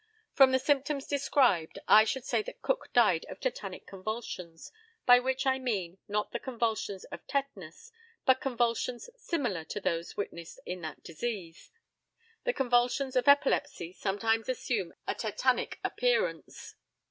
From the symptoms described, I should say that Cook died of tetanic convulsions, by which I mean, not the convulsions of tetanus, but convulsions similar to those witnessed in that disease. The convulsions of epilepsy sometimes assume a tetanic appearance.